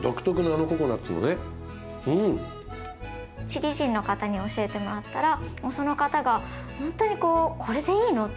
チリ人の方に教えてもらったらその方がほんとにこう「これでいいの？